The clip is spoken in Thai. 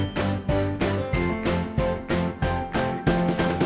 มีความสุขในที่ที่เราอยู่ในช่องนี้ก็คือความสุขในที่เราอยู่ในช่องนี้